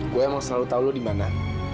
gue emang selalu tahu lo di mana